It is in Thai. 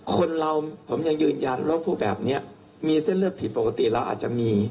คนเราผมยังยืนยันว่าพูดแบบนี้มีเส้นเลือดผิดปกติเราอาจจะมี